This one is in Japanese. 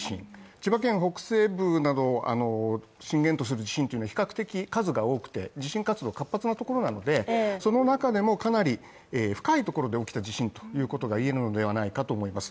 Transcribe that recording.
千葉県北西部など震源とする地震は比較的数が多くて地震活動が活発なところなので、その中でもかなり深いところで起きた地震ということがいえるのではないかと思います。